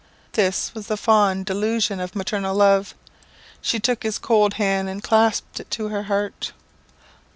This was the fond vain delusion of maternal love. She took his cold hand, and clasped it to her heart.